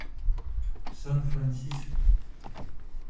San Francisco.